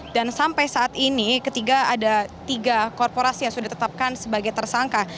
dan sampai saat ini ketiga ada tiga korporasi yang sudah ditetapkan sebagai tersangka